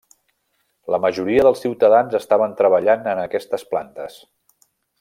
La majoria dels ciutadans estaven treballant en aquestes plantes.